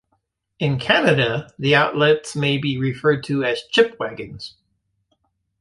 In Canada, the outlets may be referred to as "chip wagons".